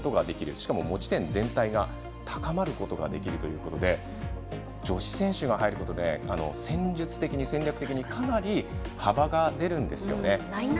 しかも持ち点全体が高まることができるということで女子選手が入ることで戦術的に、戦略的にかなり幅が出るんですよね。